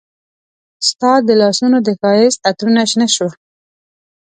ستا د لاسونو د ښایست عطرونه شنه شوه